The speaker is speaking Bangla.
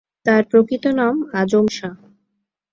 তার প্রকৃত নাম আজম শাহ।